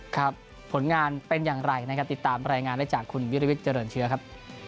ผลงานเป็นอย่างไรนะครับติดตามรายงานได้จากคุณวิริวิทยเจริญเชื้อครับ